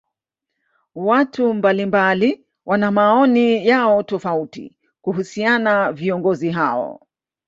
watu mbalimbali wana maoni yao tofauti kuhusiana viongozi hao